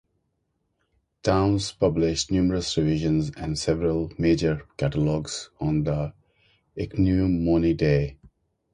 Townes published numerous revisions and several major catalogues on the Ichneumonidae.